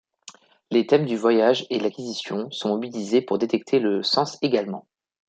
Les thèmes du voyage et de l'acquisition sont mobilisés pour détecter le sens également.